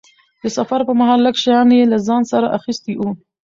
د سفر پرمهال لږ شیان یې له ځانه سره اخیستي وو.